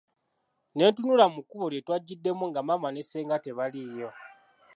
Ne ntunula mu kkubo lye twajjiddemu nga maama ne ssenga tebaliiyo.